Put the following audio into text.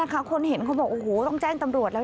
คนเห็นเขาบอกโอ้โหต้องแจ้งตำรวจแล้ว